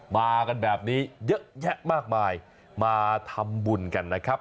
มากันแบบนี้เยอะแยะมากมายมาทำบุญกันนะครับ